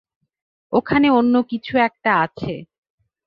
ওখানে অন্য কিছু একটা আছে।